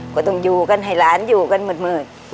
ก็ต้องอยู่กันให้หลานอยู่กันมืด